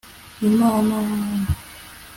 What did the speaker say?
imana